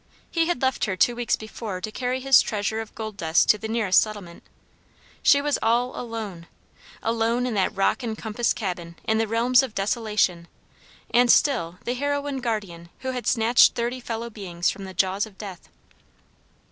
He had left her two weeks before to carry his treasure of gold dust to the nearest settlement She was all alone! Alone in that rock encompassed cabin in the realms of desolation, and still the heroine guardian who had snatched thirty fellow beings from the jaws of death.